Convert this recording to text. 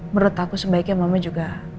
menurut aku sebaiknya mama juga